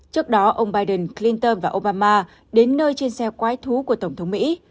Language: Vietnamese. trước đó ông biden clinton và obama đến nơi trên xe quái thú của tổng thống mỹ